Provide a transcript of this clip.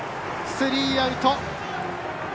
スリーアウト。